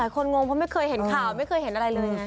คนงงเพราะไม่เคยเห็นข่าวไม่เคยเห็นอะไรเลย